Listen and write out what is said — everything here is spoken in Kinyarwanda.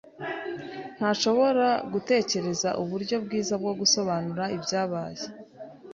ntashobora gutekereza uburyo bwiza bwo gusobanura ibyabaye.